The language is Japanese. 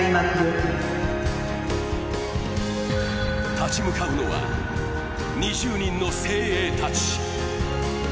立ち向かうのは２０人の精鋭たち。